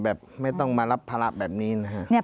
แบบไม่ต้องมารับภาระแบบนี้นะฮะ